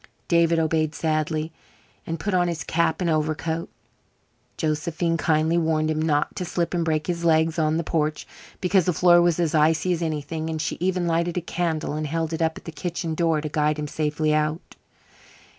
David obeyed sadly and put on his cap and overcoat. Josephine kindly warned him not to slip and break his legs on the porch, because the floor was as icy as anything; and she even lighted a candle and held it up at the kitchen door to guide him safely out.